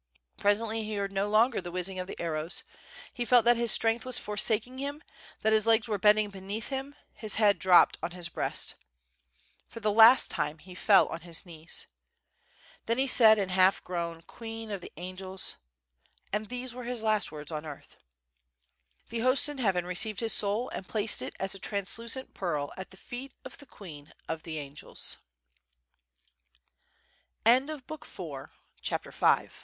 Presently he heard no longer the whizzing of arrows; he felt that his strength was forsaking him, that his legs were bending beneath him: his head dropped on his breast. For the last time he fell on his knees. Then he said in a half groan, "Queen of the Angels," and these were his last words on earth. The hosts in heaven received his soul and placed ii as a translucent pearl at the feet of the Queen of the Angels. THIS IS THE SECOND. CHAPTER VI.